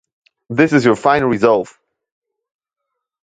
This is your final resolve!